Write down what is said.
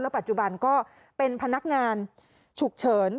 ปัจจุบันก็เป็นพนักงานฉุกเฉิน